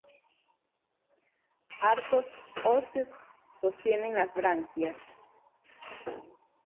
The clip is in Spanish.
Arcos óseos sostienen las branquias.